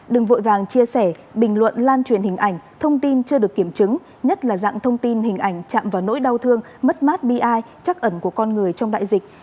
đừng vội vàng chia sẻ bình luận lan truyền hình ảnh thông tin chưa được kiểm chứng nhất là dạng thông tin hình ảnh chạm vào nỗi đau thương mất mát bi ai chắc ẩn của con người trong đại dịch